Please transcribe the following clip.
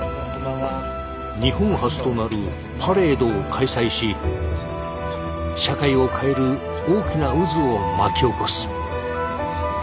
日本初となるパレードを開催し社会を変える大きな渦を巻き起こす。